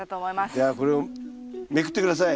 じゃあこれをめくって下さい。